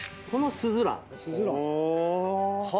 スズラン。